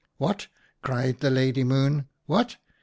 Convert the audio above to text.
"'What! cried the Lady Moon, 'what!